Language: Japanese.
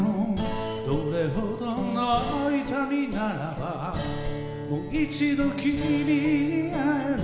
「どれ程の痛みならばもういちど君に会える」